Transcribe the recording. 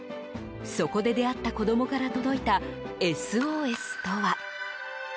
そこで出会った子供から届いたＳＯＳとは？